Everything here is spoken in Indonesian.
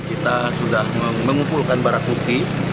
kita sudah mengumpulkan barang bukti